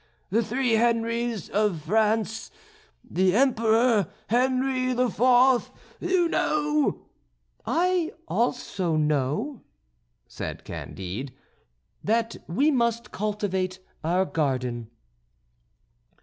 the three Henrys of France, the Emperor Henry IV.! You know " "I know also," said Candide, "that we must cultivate our garden."